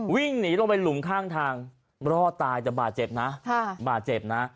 วิ่งหนีลงไปหลุมข้างทางรอดตายแต่บาดเจ็บนะบาดเจ็บนะ